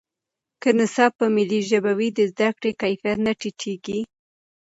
که نصاب په ملي ژبه وي، د زده کړې کیفیت نه ټیټېږي.